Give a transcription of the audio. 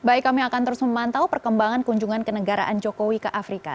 baik kami akan terus memantau perkembangan kunjungan kenegaraan jokowi ke afrika